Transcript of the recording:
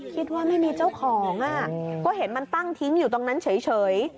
คิดว่าไม่มีเจ้าของก็เห็นมันตั้งทิ้งอยู่ตรงนั้นเฉย